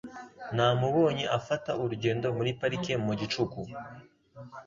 Namubonye afata urugendo muri parike mu gicuku.